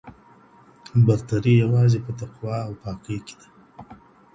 برتري یوازې په تقوا او پاکۍ کي ده.